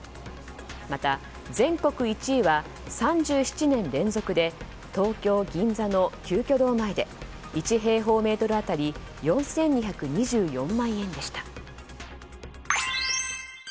また、全国１位は３７年連続で東京・銀座の鳩居堂前で１平方メートル当たり４２２４万円でした。